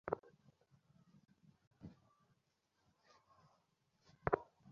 তিনি ছিলেন তাজিক বংশোদ্ভূত।